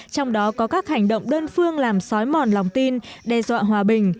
trong đó có các hành động đơn phương làm sói mòn lòng tin đe dọa hòa bình